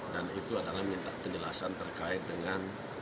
dan itu adalah minta penjelasan terkait dengan